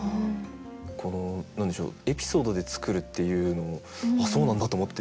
この何でしょうエピソードで作るっていうのもあっそうなんだ！と思って。